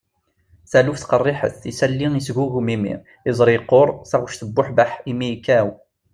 taluft qerriḥet, isalli yesgugum imi, iẓri yeqquṛ, taɣect tebbuḥbeḥ, imi yekkaw